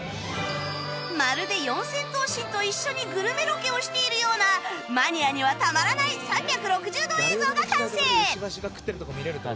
まるで四千頭身と一緒にグルメロケをしているようなマニアにはたまらない３６０度映像が完成！